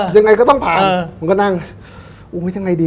ยังไงก็ต้องผ่าน